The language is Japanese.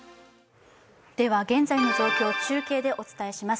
現在の状況を中継でお伝えします。